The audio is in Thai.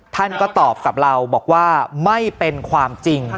ท่านก็ตอบกับเราบอกว่าไม่เป็นความจริง